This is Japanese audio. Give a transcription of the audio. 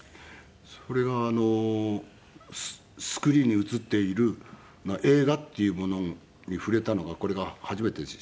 それがスクリーンに映っている映画っていうものに触れたのがこれが初めてでしたけどね。